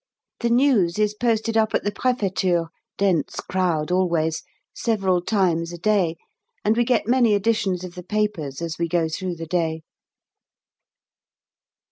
The news is posted up at the Préfeture (dense crowd always) several times a day, and we get many editions of the papers as we go through the day.